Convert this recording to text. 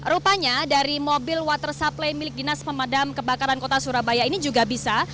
rupanya dari mobil water supply milik dinas pemadam kebakaran kota surabaya ini juga bisa